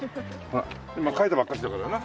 今書いたばっかしだからな。